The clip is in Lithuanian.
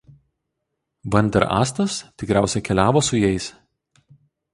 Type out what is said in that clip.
Van der Astas tikriausiai keliavo su jais.